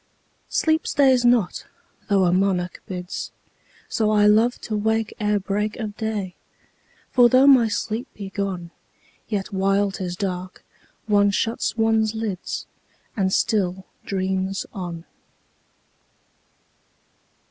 10 Sleep stays not, though a monarch bids: So I love to wake ere break of day: For though my sleep be gone, Yet while 'tis dark, one shuts one's lids, And still dreams on.